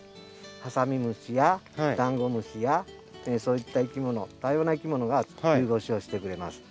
ハサミムシやダンゴムシやそういったいきもの多様ないきものが冬越しをしてくれます。